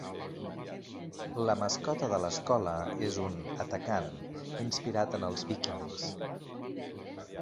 La mascota de l'escola és un "atacant" inspirat en els víkings.